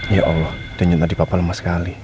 ya allah dany tadi papa lemah sekali